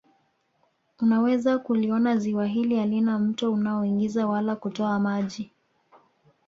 Unaweza kuliona Ziwa hili halina mto unaoingiza wala kutoa maji